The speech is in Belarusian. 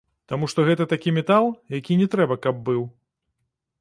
Таму што гэта такі метал, які не трэба, каб быў.